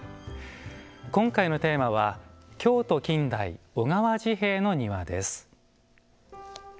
今回のテーマは「京都近代小川治兵衛の庭」です。